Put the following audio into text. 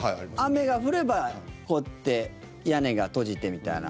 雨が降れば、こうやって屋根が閉じてみたいな。